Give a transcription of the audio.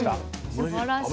すばらしい。